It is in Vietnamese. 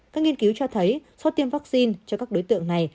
các nghiên cứu cho thấy số tiêm vaccine cho các đối tượng này